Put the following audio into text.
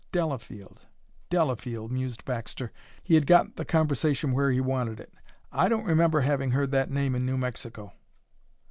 "Delafield Delafield," mused Baxter. He had got the conversation where he wanted it. "I don't remember having heard that name in New Mexico."